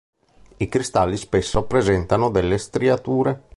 I cristalli spesso presentano delle striature.